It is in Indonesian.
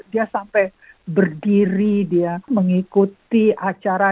dia sampai berdiri dia mengikuti acara